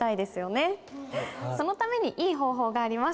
そのためにいい方法があります。